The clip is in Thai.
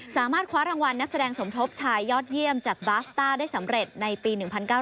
สามารถคว้ารางวัลนักแสดงสมทบชายยอดเยี่ยมจากบาสต้าได้สำเร็จในปี๑๙๙